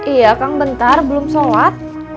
iya kang bentar belum sholat